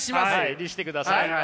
律してください。